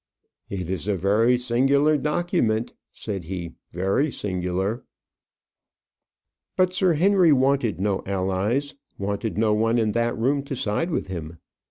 "It is a very singular document," said he; "very singular." But Sir Henry wanted no allies wanted no one in that room to side with him.